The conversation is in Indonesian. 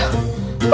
aku bisa mencoba